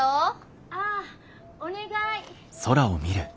・ああお願い！